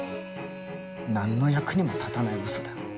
何の役にも立たないうそだ。